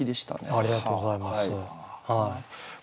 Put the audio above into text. ありがとうございます。